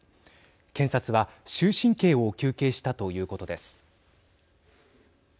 検察は終身刑を求刑したということです。